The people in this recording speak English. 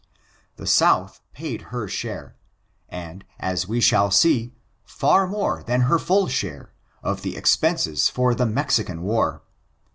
The South paid her share, and, as we shall see, far more than her full share, of the expenses of the Mexican war.